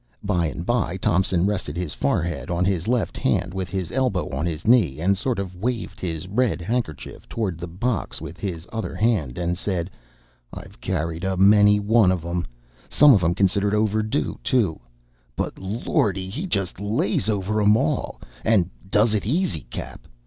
By and by Thompson rested his forehead in his left hand, with his elbow on his knee, and sort of waved his red handkerchief towards the box with his other hand, and said, "I've carried a many a one of 'em, some of 'em considerable overdue, too, but, lordy, he just lays over 'em all! and does it easy Cap.